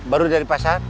baru dari pasar